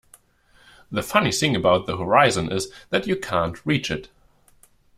The funny thing about the horizon is that you can't reach it.